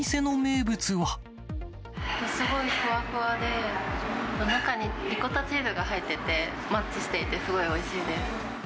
すごいふわふわで、中にリコッタチーズが入ってて、マッチしていて、すごいおいしいです。